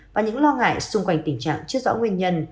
và những lo ngại xung quanh tình trạng chưa rõ nguyên nhân